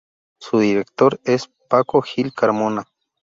Su director es Paco Gil Carmona.